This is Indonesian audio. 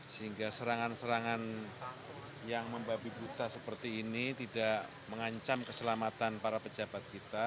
sehingga serangan serangan yang membabi buta seperti ini tidak mengancam keselamatan para pejabat kita